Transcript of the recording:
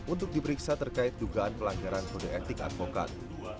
untuk diperiksa terkait dugaan pelanggaran kode etik advokat